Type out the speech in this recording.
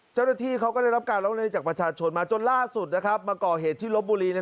เจ้าหน้าที่เขาก็ได้รับการร้องรอดิ์จากประชาชนมาจนล่าสุดมาก่อเหตุที่ลบบุรี